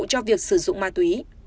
cho việc sử dụng ma túy